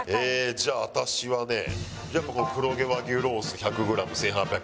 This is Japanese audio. じゃあ私はねやっぱこの黒毛和牛ロース１００グラム１８００円。